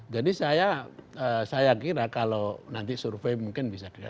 jadi saya kira kalau nanti survei mungkin bisa dikatakan